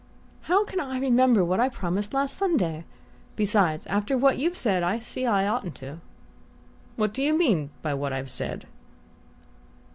"How can I remember what I promised last Sunday? Besides, after what you've said, I see I oughtn't to." "What do you mean by what I've said?"